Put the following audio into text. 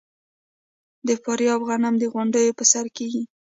د فاریاب غنم د غونډیو په سر کیږي.